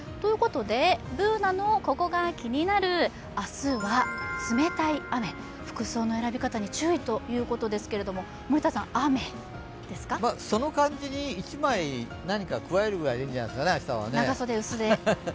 Ｂｏｏｎａの「ココがキニナル」明日は、冷たい雨、服装の選び方に注意ということですけれどもその感じに１枚何か加えるぐらいでいいんじゃないですかね。